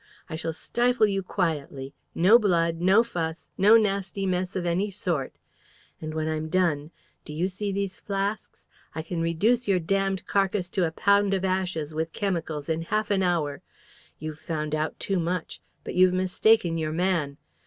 I shall stifle you quietly no blood, no fuss, no nasty mess of any sort. And when I'm done, do you see these flasks? I can reduce your damned carcase to a pound of ashes with chemicals in half an hour! You've found out too much. But you've mistaken your man!